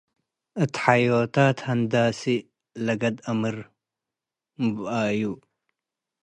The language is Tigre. እት ሐዮታት ሀንዳሲ - ለጋድ አምር ምብኣዩ